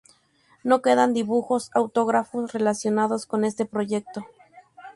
No quedan dibujos autógrafos relacionados con este proyecto.